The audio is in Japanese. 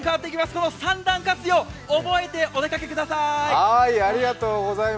この三段活用を覚えてお出かけください。